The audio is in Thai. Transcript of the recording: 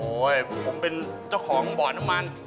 โอ๊ยผมเป็นเจ้าของบ่อนมัน